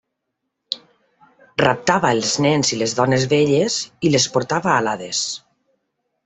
Raptava els nens i les dones velles i les portava a l'Hades.